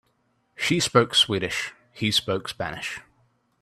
She spoke Swedish, he spoke Spanish.